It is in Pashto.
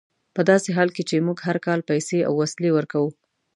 په داسې حال کې چې موږ هر کال پیسې او وسلې ورکوو.